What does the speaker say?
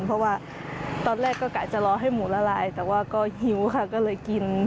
เพราะว่าตอนแรกก็กะจะรอให้หมูละลายแต่ว่าก็หิวค่ะก็เลยกิน